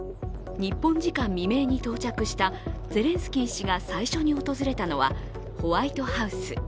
日本時間未明に到着したゼレンスキー氏が最初に訪れたのはホワイトハウス。